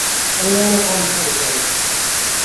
আমি কখনো কনসার্টে যাইনি।